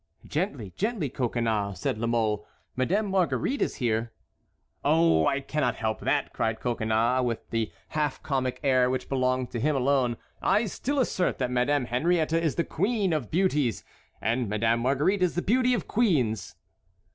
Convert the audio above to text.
"Gently, gently, Coconnas," said La Mole, "Madame Marguerite is here!" "Oh! I cannot help that," cried Coconnas, with the half comic air which belonged to him alone, "I still assert that Madame Henriette is the queen of beauties and Madame Marguerite is the beauty of queens."